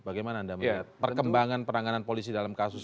bagaimana anda melihat perkembangan penanganan polisi dalam kasus ini